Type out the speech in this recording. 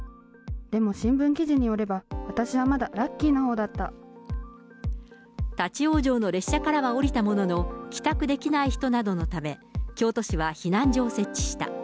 でも新聞記事によれば、立往生の列車からは降りたものの、帰宅できない人などのため、京都市は避難所を設置した。